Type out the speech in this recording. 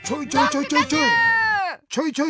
ちょいちょい。